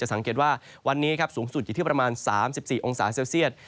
สังเกตว่าวันนี้ครับสูงสุดอยู่ที่ประมาณ๓๔องศาเซลเซียต